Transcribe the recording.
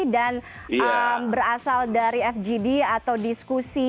berasal dari fgd atau diskusi